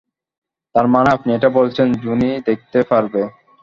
তারমানে আপনি এটা বলছেন জুনি দেখতে পারবে?